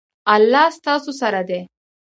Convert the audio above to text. الله ستاسو سره دی